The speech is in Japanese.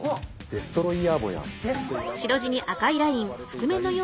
デストロイヤーさま！